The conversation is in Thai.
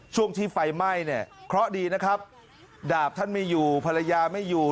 ช่วงที่ไฟไหม้เนี่ยเคราะห์ดีนะครับดาบท่านไม่อยู่ภรรยาไม่อยู่